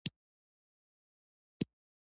مېوې د افغانستان د طبیعي زیرمو برخه ده.